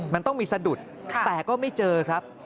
มันต้องมีสะดุดแต่ก็ไม่เจอครับ